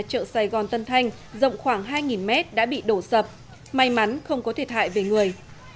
chợ sài gòn tân thanh rộng khoảng hai mét đã bị đổ sập may mắn không có thiệt hại về người